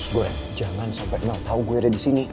gue jangan sampai mel tau gue ada disini